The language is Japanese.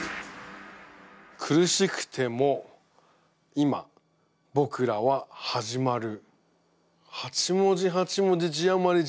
「苦しくても今ぼくらは始まる」。